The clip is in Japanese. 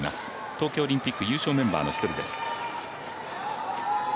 東京オリンピック優勝メンバーの１人です。